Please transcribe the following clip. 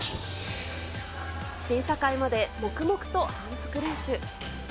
審査会まで黙々と反復練習。